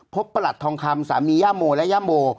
ประหลัดทองคำสามีย่าโมและย่าโม